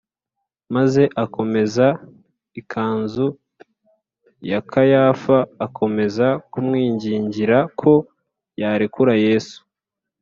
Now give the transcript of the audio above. maze akomeza ikanzu ya kayafa, akomeza kumwingingira ko yarekura yesu,